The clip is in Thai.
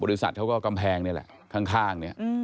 บริษัทเขาก็กำแพงนี่แหละข้างนี่